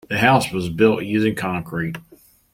The house was built using concrete.